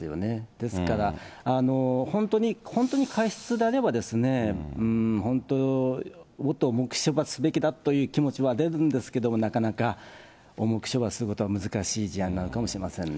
ですから、本当に過失であれば、本当、重く処罰すべきだという気持ちは出るんですけど、なかなか、重く処罰することは難しい事案になるかもしれませんね。